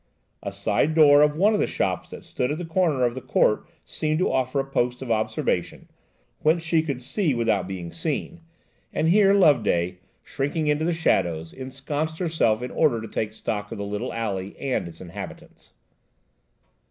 A side door of one of the shops that stood at the corner of the court seemed to offer a post of observation whence she could see without being seen, and here Loveday, shrinking into the shadows, ensconced herself in order to take stock of the little alley and its inhabitants.